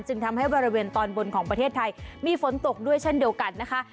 จึงทำให้บริเวณตอนบนของประเทศไทยมีฝนตกด้วยเช่นเดียวกันนะคะ